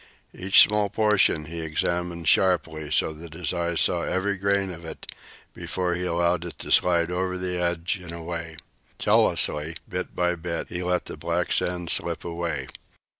Each small portion he examined sharply, so that his eyes saw every grain of it before he allowed it to slide over the edge and away. Jealously, bit by bit, he let the black sand slip away.